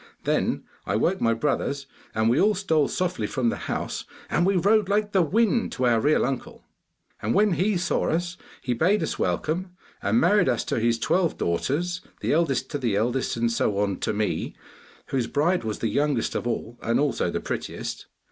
Then I woke my brothers, and we all stole softly from the house, and we rode like the wind to our real uncle. 'And when he saw us, he bade us welcome, and married us to his twelve daughters, the eldest to the eldest, and so on to me, whose bride was the youngest of all and also the prettiest.